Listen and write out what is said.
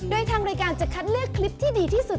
โดยทางรายการจะคัดเลือกคลิปที่ดีที่สุด